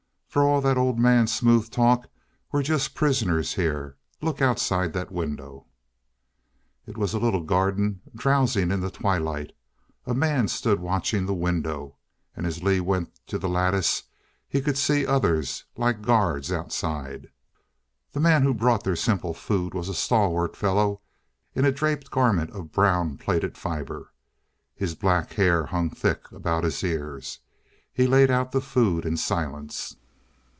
For all that old man's smooth talk, we're just prisoners here. Look outside that window " It was a little garden, drowsing in the twilight. A man stood watching the window. And as Lee went to the lattice, he could see others, like guards outside. The man who brought their simple food was a stalwart fellow in a draped garment of brown plaited fibre. His black hair hung thick about his ears. He laid out the food in silence.